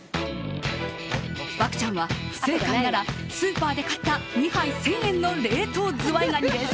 漠ちゃんは不正解ならスーパーで買った２杯１０００円の冷凍ズワイガニです。